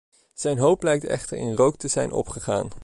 Zijn hoop lijkt mij echter in rook te zijn opgegaan.